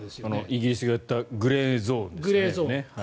イギリスが言ったグレーゾーンですね。